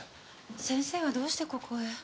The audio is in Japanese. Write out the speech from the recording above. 先生はどうしてここへ？